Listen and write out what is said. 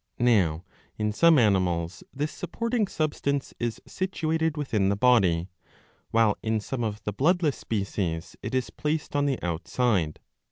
Now in some animals this supporting substance is situated within the body, while in some of the bloodless species it is placed on the outside.